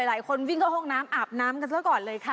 หลายคนวิ่งเข้าห้องน้ำอาบน้ำกันซะก่อนเลยค่ะ